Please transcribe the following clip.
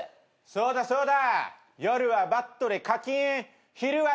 そうだそうだ！